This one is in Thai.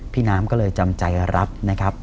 พี่น้ำก็เลยจำใจรับนะครับ